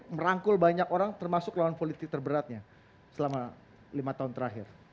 merangkul banyak orang termasuk lawan politik terberatnya selama lima tahun terakhir